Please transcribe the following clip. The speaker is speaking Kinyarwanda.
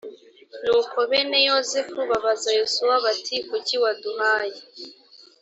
nuko bene yozefu babaza yosuwa bati kuki waduhaye